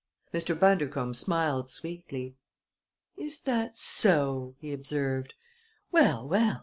Mr. Bundercombe smiled sweetly. "Is that so!" he observed. "Well, well!